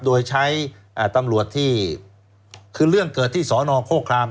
โดยใช้ตำรวจที่คือเรื่องเกิดที่สอนอโฆคราม